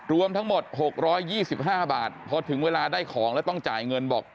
รวมทั้งหมดหกร้อยยี่สิบห้าบาทเพราะถึงเวลาได้ของแล้วต้องจ่ายเงินบอก